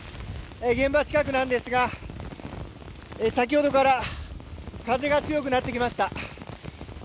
現場近くなんですが、先ほどから風が強くなってきました。